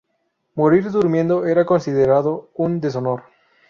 Morir durmiendo era considerado un deshonor.